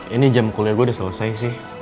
ini jam kuliah gue udah selesai sih